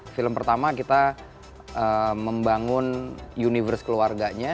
film pertama kita membangun universe keluarganya